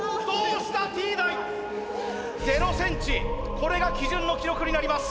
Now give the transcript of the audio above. これが基準の記録になります。